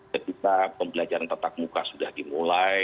ketika pembelajaran tetap muka sudah dimulai